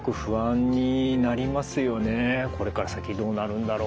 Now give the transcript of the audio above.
これから先どうなるんだろう？